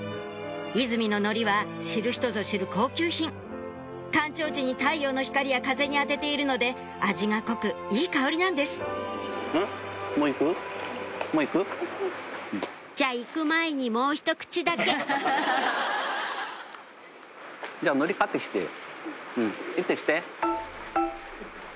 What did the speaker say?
出水の海苔は知る人ぞ知る高級品干潮時に太陽の光や風に当てているので味が濃くいい香りなんですじゃあ行く前にもうひと口だけうん行ってきて。